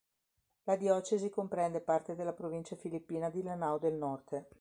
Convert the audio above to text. La diocesi comprende parte della provincia filippina di Lanao del Norte.